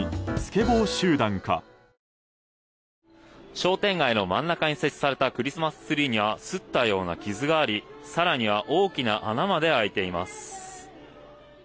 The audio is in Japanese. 商店街の真ん中に設置されたクリスマスツリーにはすったような傷があり更には大きな穴まで開いています。